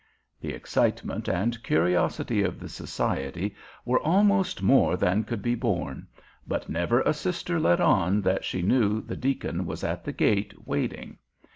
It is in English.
The excitement and curiosity of the society were almost more than could be borne, but never a sister let on that she knew the deacon was at the gate waiting.